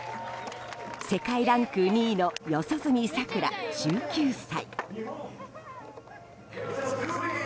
世界ランク２位の四十住さくら、１９歳。